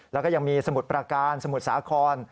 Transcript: แล้วก็ยังมีสมุทรประการสมุทรสาคร